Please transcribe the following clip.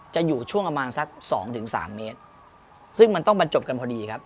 จะอยู่ช่วงประมาณสักสองถึงสามเมตรซึ่งมันต้องบรรจบกันพอดีครับ